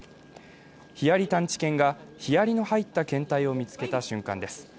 ヒアリ探知犬がヒアリの入った検体を見つけた瞬間です。